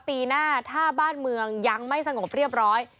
ปีหน้าถ้าบ้านเมืองยังไม่สงบเรียบร้อย